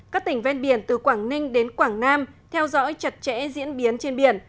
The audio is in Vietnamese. các tỉnh ven biển từ quảng ninh đến quảng nam theo dõi chặt chẽ diễn biến trên biển